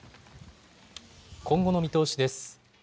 今後の見通しです。